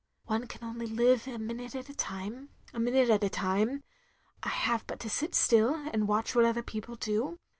"One can only live a minute at a time — a. minute at a time. ... I have but to sit still and watch what other people do. .